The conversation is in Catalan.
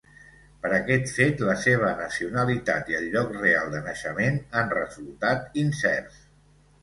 Per aquest fet, la seva nacionalitat i el lloc real de naixement han resultat incerts.